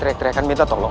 teriakan minta tolong